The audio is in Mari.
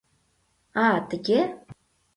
А, тыге.